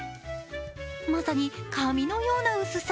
まさに紙のような薄さ。